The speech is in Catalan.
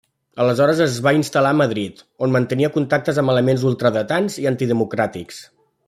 Aleshores es va instal·lar a Madrid, on mantenia contactes amb elements ultradretans i antidemocràtics.